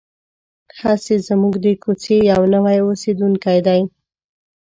هسې زموږ د کوڅې یو نوی اوسېدونکی دی.